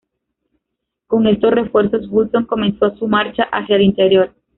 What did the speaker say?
Con estos refuerzos, Vulsón comenzó su marcha hacia el interior.